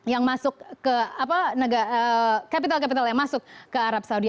yang masuk ke capital capital yang masuk ke arab saudi